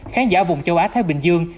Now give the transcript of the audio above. khán giả vùng châu á thái bình dương